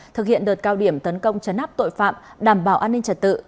thực hiện đợt cao điểm tấn công chấn áp tội phạm đảm bảo an ninh trật tự